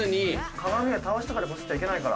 鏡はタワシとかでこすっちゃいけないから。